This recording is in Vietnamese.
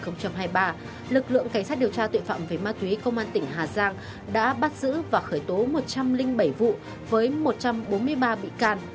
năm hai nghìn hai mươi ba lực lượng cảnh sát điều tra tội phạm về ma túy công an tỉnh hà giang đã bắt giữ và khởi tố một trăm linh bảy vụ với một trăm bốn mươi ba bị can